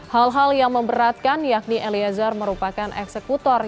hal hal yang memberatkan yakni eliezer merupakan eksekutor